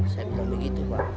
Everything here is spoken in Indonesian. saya bilang begitu pak